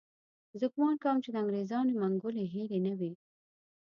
زه ګومان کوم چې د انګریزانو منګولې هېرې نه وي.